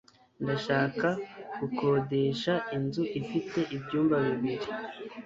Ndashaka gukodesha inzu ifite ibyumba bibiri.